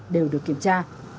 đều được kiểm tra